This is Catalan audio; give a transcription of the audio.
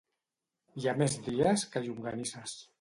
Hi ha més dies que llonganisses